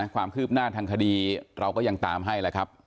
ความคืบหน้าทางคดีเราก็ยังตามให้แล้วครับ